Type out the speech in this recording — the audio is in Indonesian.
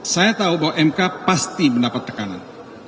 saya tahu bahwa mk pasti mendapat tekanan